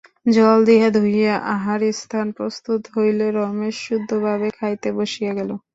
জল দিয়া ধুইয়া আহারস্থান প্রস্তুত হইলে রমেশ শুদ্ধভাবে খাইতে বসিয়া গেল।